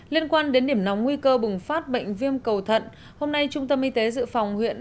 liên quan đến điểm nóng nguy cơ bùng phát bệnh viêm cầu thận hôm nay trung tâm y tế dự phòng huyện